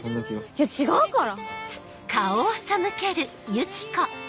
いや違うから！